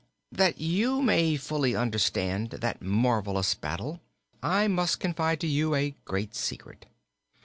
"That you may fully understand that marvelous battle, I must confide to, you a great secret.